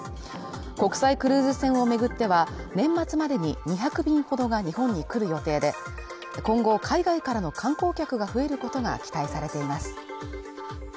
国際クルーズ船を巡っては、年末までに２００便ほどが日本に来る予定で今後海外からの観光客が増えることが期待されています。